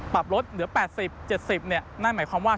ปรับลดเหลือ๘๐๗๐นั่นหมายความว่า